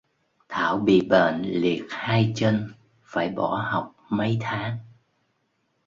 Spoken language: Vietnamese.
thảo bị bệnh liệt hai chân phải bỏ học mấy tháng